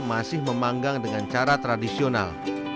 masih memanggang dengan cara tradisional